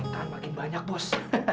tahan makin banyak bos